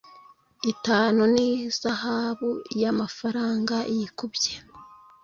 itanu n ihazabu y amafaranga yikubye